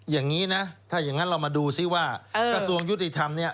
อย่างนี้นะถ้าอย่างนั้นเรามาดูซิว่ากระทรวงยุติธรรมเนี่ย